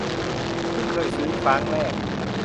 เพิ่งเคยซื้อครั้งแรก